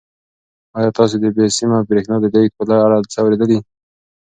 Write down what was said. آیا تاسو د بې سیمه بریښنا د لېږد په اړه څه اورېدلي؟